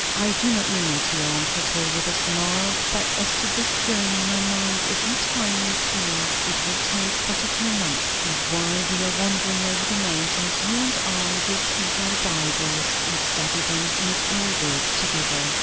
"I do not mean it," he answered her, with a smile. "But as to this journey my mind is entirely clear. It will take but a few months. And while we are wandering over the mountains, you and I will take our Bibles and study them and our work together.